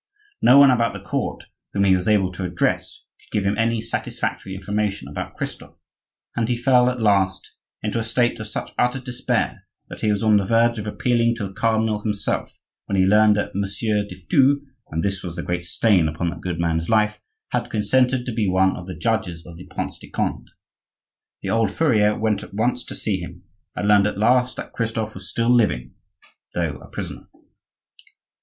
No one about the court whom he was able to address could give him any satisfactory information about Christophe; and he fell at last into a state of such utter despair that he was on the verge of appealing to the cardinal himself, when he learned that Monsieur de Thou (and this was the great stain upon that good man's life) had consented to be one of the judges of the Prince de Conde. The old furrier went at once to see him, and learned at last that Christophe was still living, though a prisoner.